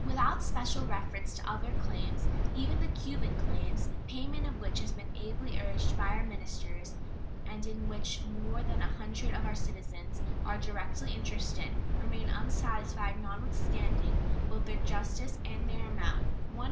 Without special reference to other claims, even the "Cuban claims," the payment of which has been ably urged by our ministers, and in which more than a hundred of our citizens are directly interested, remain unsatisfied, notwithstanding both their justice and their amount ($128,635.